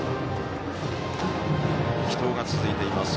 力投が続いています。